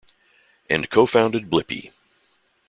and co-founded Blippy.